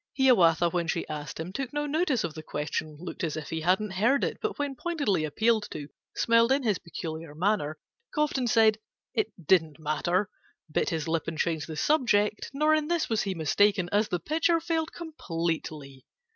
Hiawatha, when she asked him, Took no notice of the question, Looked as if he hadn't heard it; But, when pointedly appealed to, Smiled in his peculiar manner, Coughed and said it 'didn't matter,' Bit his lip and changed the subject. Nor in this was he mistaken, As the picture failed completely.